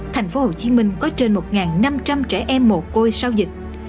thành phố hồ chí minh có trên một năm trăm linh trẻ em mồ côi sau dịch